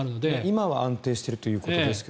今は安定しているということですが。